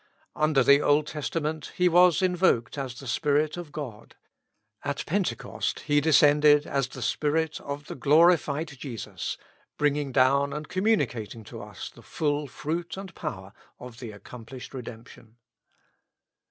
Under the Old Testament He was invoked as the Spirit of 203 With Christ in the School of Prayer. God : at Pentecost He descended as the Spirit of the glorified Jesus, bringing down and communicating to us the full fruit and power of the accomplished redemption.